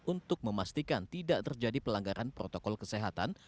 untuk memastikan tidak terjadi pelanggaran protokol kesehatan